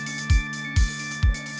mereka memasak untuk anak anak